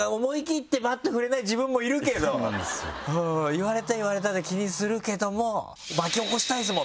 言われたら言われたで気にするけども巻き起こしたいですもんね。